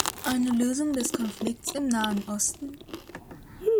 Eine Lösung des Konflikts im Nahen Osten?